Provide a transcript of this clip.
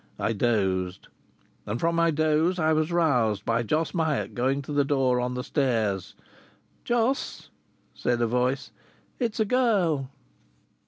I dozed, and from my doze I was roused by Jos Myatt going to the door on the stairs. "Jos," said a voice. "It's a girl."